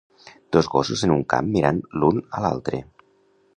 Dos gossos en un camp mirant l'un a l'altre.